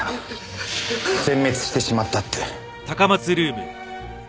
全滅してしまったって。